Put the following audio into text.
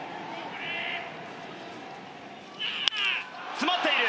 詰まっている。